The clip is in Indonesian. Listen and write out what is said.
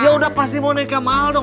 yaudah pasti boneka mahal dong